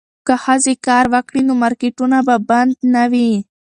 که ښځې کار وکړي نو مارکیټونه به بند نه وي.